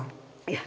いや。